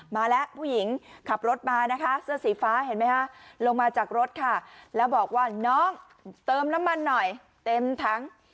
มาแล้วผู้หญิงขับรถมานะคะเสื้อสีฟ้าเห็นไหมคะลงมาจากรถค่ะแล้วบอกว่าน้องเติมน้ำมันหน่อยเต็มถัง